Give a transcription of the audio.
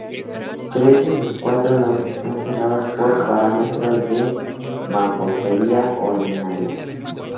Tres de sus cuatro lados están cerrados por parámetros de mampostería ordinaria.